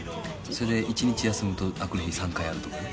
それで、１日休むと明くる日、３回やるとかね。